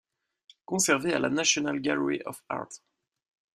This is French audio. Conservée à la National Gallery of Art.